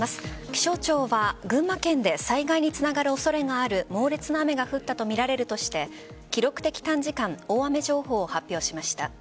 気象庁は群馬県で災害につながる恐れがある猛烈な雨が降ったとみられるとして記録的短時間大雨情報を発表しました。